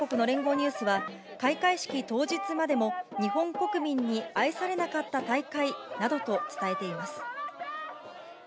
ニュースは開会式当日までも、日本国民に愛されなかった大会などと伝えています。